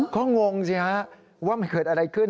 ก็งงสิฮะว่ามันเกิดอะไรขึ้น